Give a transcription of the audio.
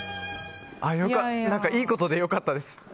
いいことで良かったです。